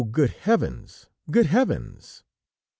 good heavens! good heavens!"